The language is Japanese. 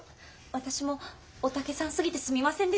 私もおたけさんすぎてすみませんでした。